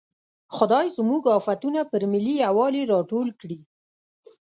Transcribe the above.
خدای زموږ افتونه پر ملي یوالي راټول کړي.